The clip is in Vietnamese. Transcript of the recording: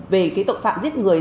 về tội phạm giết người